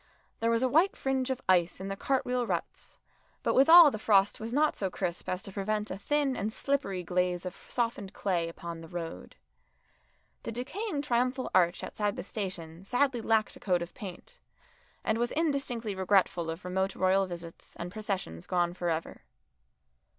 There was a white fringe of ice in the cart wheel ruts, but withal the frost was not so crisp as to prevent a thin and slippery glaze of softened clay upon the road. The decaying triumphal arch outside the station sadly lacked a coat of paint, and was indistinctly regretful of remote royal visits and processions gone for ever.